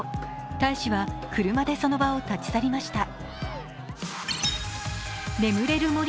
大使は車でその場を立ち去りました。